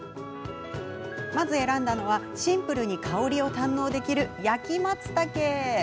まず、選んだのはシンプルに香りを堪能できる焼きまつたけ。